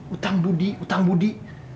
utang budi utang budi